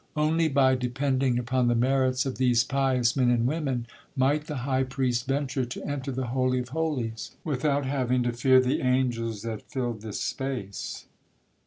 Only by depending upon the merits of these pious men and women might the high priest venture to enter the Holy of Holies without having to fear the angels that filled this space.